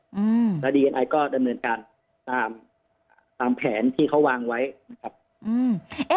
อืมแล้วดียังไงก็ดำเนินการตามตามแผนที่เขาวางไว้นะครับอืม